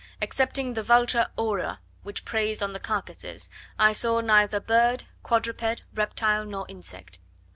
Excepting the Vultur aura, which preys on the carcasses, I saw neither bird, quadruped, reptile, nor insect.